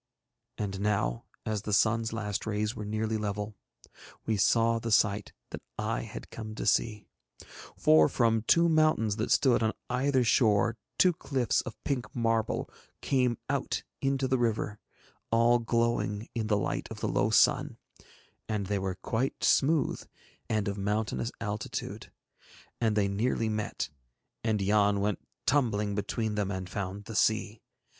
And now as the sun's last rays were nearly level, we saw the sight that I had come to see; for from two mountains that stood on either shore two cliffs of pink marble came out into the river, all glowing in the light of the low sun, and they were quite smooth and of mountainous altitude, and they nearly met, and Yann went tumbling between them and found the sea.